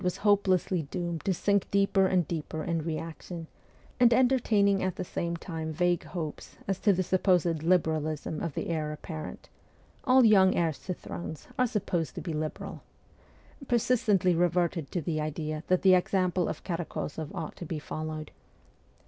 was hopelessly doomed to sink deeper and deeper in reaction, and entertaining at the same time vague hopes as to the supposed ' liberalism ' of the heir apparent all young heirs to thrones are supposed to be liberal persistently reverted to the idea that the example of Karakozoff ought to be followed.